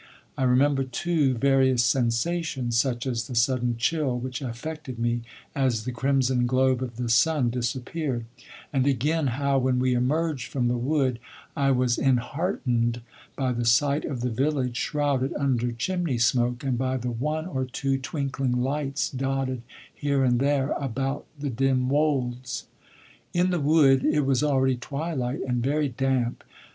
I remember, too, various sensations, such as the sudden chill which affected me as the crimson globe of the sun disappeared; and again how, when we emerged from the wood, I was enheartened by the sight of the village shrouded under chimney smoke and by the one or two twinkling lights dotted here and there about the dim wolds. In the wood it was already twilight and very damp.